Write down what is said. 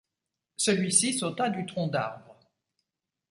Celui-ci sauta du tronc d’arbre.